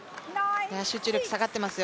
集中力下がってますよ。